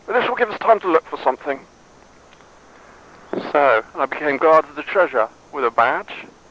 But this will give us time to look for something." So I became guard of the Treasure. With a badge.